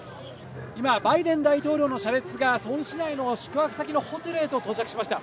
今、バイデン大統領の車列がソウル市内の宿泊先のホテルへと到着しました。